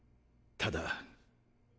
ただ？